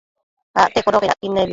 Acte codocaid acquid nebi